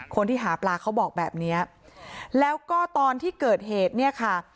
คนที่หาปลาเขาบอกแบบเนี้ยแล้วก็ตอนที่เกิดเหตุเนี่ยค่ะ